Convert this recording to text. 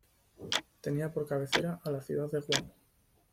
Tenía por cabecera a la ciudad de Guamo.